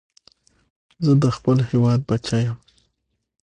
زه د خپل هېواد بچی یم